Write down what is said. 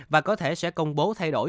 và có thể sẽ công bố thay đổi